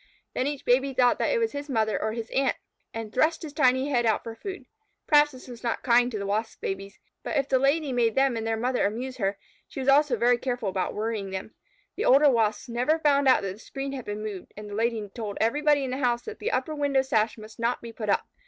Then each baby thought it was his mother or his aunt, and thrust his tiny head out for food. Perhaps this was not kind to the Wasp babies, but if the Lady made them and their mother amuse her, she was also very careful about worrying them. The older Wasps never found out that the screen had been moved, and the Lady told everybody in the house that the upper window sash must not be put up.